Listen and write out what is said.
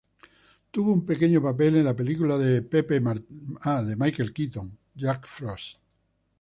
Tuvo un pequeño papel en la película de Michael Keaton, Jack Frost.